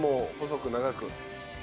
細く長く。